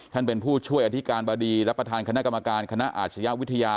เป็นผู้ช่วยอธิการบดีและประธานคณะกรรมการคณะอาชญาวิทยา